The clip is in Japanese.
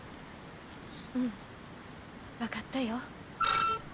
うん分かったよ。